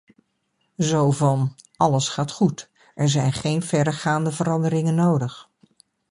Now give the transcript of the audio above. Zo van: alles gaat goed, er zijn geen verregaande veranderingen nodig.